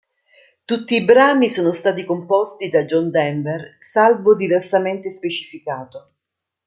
Tutti i brani sono stati composti da John Denver, salvo diversamente specificato.